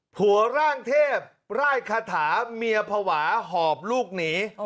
ผัวร่างเทพร่ายคาถาเมียภาวะหอบลูกหนี